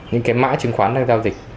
những cái mã chứng khoán đang giao dịch